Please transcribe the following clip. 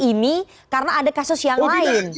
ini karena ada kasus yang lain